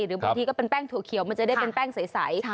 หรือบางทีก็เป็นแป้งถั่วเขียวมันจะได้เป็นแป้งใส